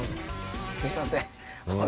すいません。